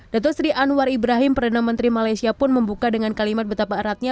datu sri anwar ibrahim perdana menteri malaysia pun membuka dengan kalimat betapa eratnya